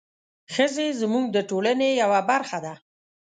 ښځې زموږ د ټولنې یوه برخه ده.